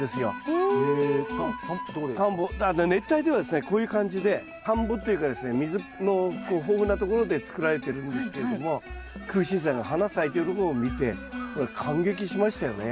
熱帯ではですねこういう感じで田んぼっていうかですね水のこう豊富なところで作られてるんですけれどもクウシンサイの花咲いてるところを見て感激しましたよね。